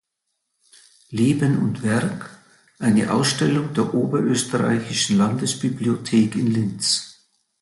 Leben und Werk“ eine Ausstellung der Oberösterreichischen Landesbibliothek in Linz.